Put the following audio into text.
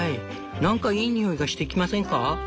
なんかいい匂いがしてきませんか？」。